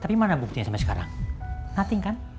tapi mana buktinya sampai sekarang nothing kan